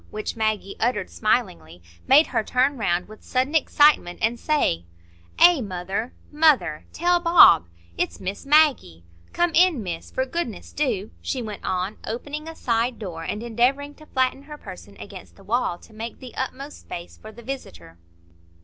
which Maggie uttered smilingly, made her turn round with sudden excitement, and say,— "Eh, mother, mother—tell Bob!—it's Miss Maggie! Come in, Miss, for goodness do," she went on, opening a side door, and endeavoring to flatten her person against the wall to make the utmost space for the visitor.